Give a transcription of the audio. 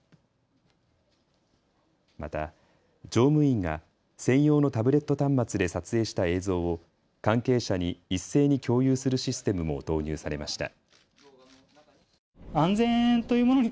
また乗務員が専用のタブレット端末で撮影した映像を関係者に一斉に共有するシステムも導入されました。